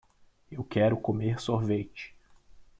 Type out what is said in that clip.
Eu quero comer sorvete